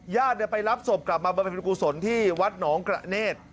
ญาติไปรับศพกลับมาบริเวณกุศลที่วัดหนองกระเนธ